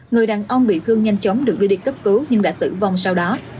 người đàn ông bị thương nhanh chóng được đưa đi cấp cứu nhưng đã tử vong sau đó